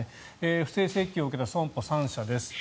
不正請求を受けた損保３社です。